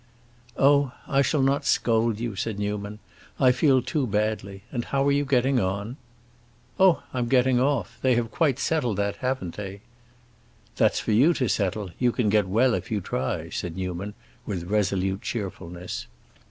"Oh, I shall not scold you," said Newman. "I feel too badly. And how are you getting on?" "Oh, I'm getting off! They have quite settled that; haven't they?" "That's for you to settle; you can get well if you try," said Newman, with resolute cheerfulness.